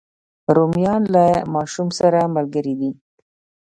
رومیان له ماشوم سره ملګري دي